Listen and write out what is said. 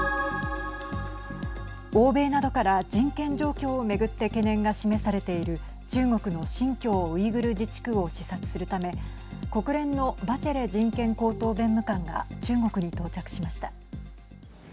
欧米などから人権状況をめぐって懸念が示されている中国の新疆ウイグル自治区を視察するため国連のバチェレ人権高等弁務官が中国に到着しました。